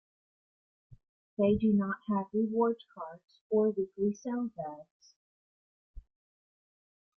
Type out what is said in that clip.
They do not have rewards cards or weekly sales ads.